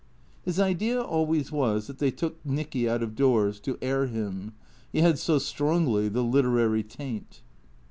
His idea always was that they took Nicky out of doors to air him; he had so strongly the literary taint.